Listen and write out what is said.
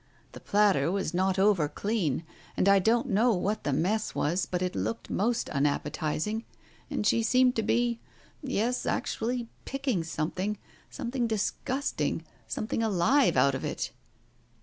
The platter was not over clean, and I don't know what the mess was, but it looked most unappetizing and she seemed to be — yes, actually picking something — some thing disgusting — something alive out of it.